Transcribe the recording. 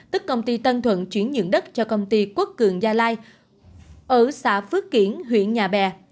tức công ty tân thuận chuyển nhượng đất cho công ty quốc cường gia lai ở xã phước kiển huyện nhà bè